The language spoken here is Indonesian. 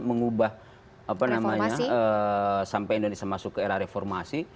mengubah apa namanya sampai indonesia masuk ke era reformasi